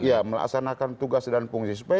iya melaksanakan tugas dan fungsi